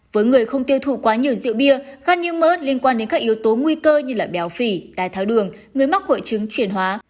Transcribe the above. với người không tiêu thụ quá nhiều rượu bia khán như mỡ liên quan đến các yếu tố nguy cơ như béo phì tai tháo đường người mắc hội chứng chuyển hóa